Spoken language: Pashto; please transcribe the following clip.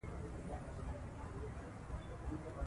د هېواد په ورزشي میدانونو کې برخه واخلئ.